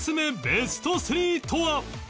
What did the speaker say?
ベスト３とは？